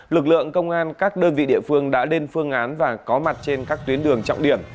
lực lượng công an các đơn vị địa phương đã lên phương án và có mặt trên các tuyến đường trọng điểm